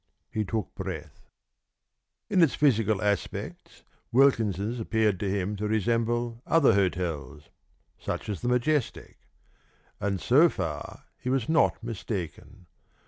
He took breath. In its physical aspects Wilkins's appeared to him to resemble other hotels such as the Majestic. And so far he was not mistaken.